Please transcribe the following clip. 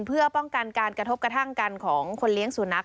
เพื่อป้องกันการกระทบกระทั่งกันของคนเลี้ยงสุนัข